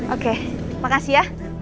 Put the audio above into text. oke makasih ya